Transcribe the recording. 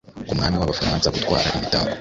Ku mwami wAbafaransa gutwara imitako